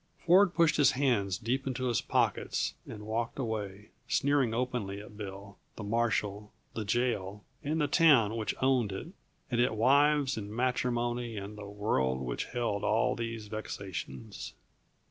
Ford pushed his hands deep into his pockets and walked away, sneering openly at Bill, the marshal, the jail, and the town which owned it, and at wives and matrimony and the world which held all these vexations.